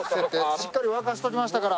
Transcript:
しっかり沸かしときましたから。